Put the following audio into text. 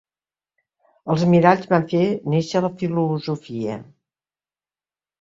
Els miralls van fer nàixer la filosofia.